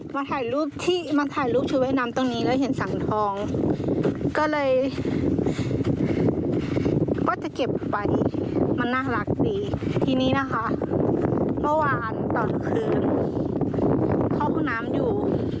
มาถ่ายรูปที่มาถ่ายรูปชุดว่ายน้ำตรงนี้แล้วเห็นสังทองก็เลยก็จะเก็บไปมันน่ารักสิทีนี้นะคะเมื่อวานตอนคืนเข้าห้องน้ำอยู่